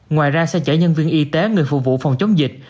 ngoài ra xe chở nhân viên y tế người phục vụ phòng chống dịch